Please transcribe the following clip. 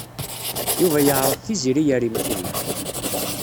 Yuba yeɛreḍ Tiziri ar yimekli.